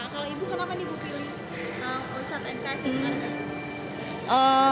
kalau ibu kenapa ibu pilih usap mkc